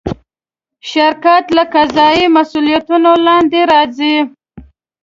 شرکت له قضایي مسوولیتونو لاندې راځي.